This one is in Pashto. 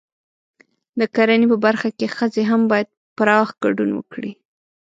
د کرنې په برخه کې ښځې هم باید پراخ ګډون وکړي.